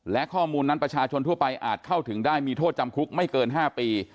และข้อมูลนั้นประชาชนทั่วไปอาจเข้าถึงได้มีโทษจำคุกไม่เกิน๕ปี